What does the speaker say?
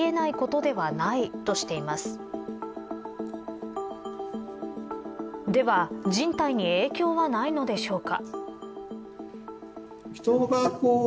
では、人体に影響はないのでしょうか。